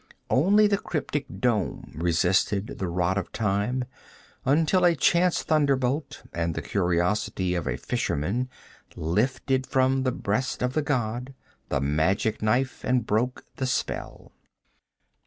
Only the cryptic dome resisted the rot of time, until a chance thunderbolt and the curiosity of a fisherman lifted from the breast of the god the magic knife and broke the spell.